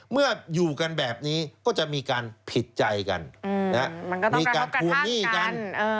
เมื่ออยู่กันแบบนี้ก็จะมีการผิดใจกัน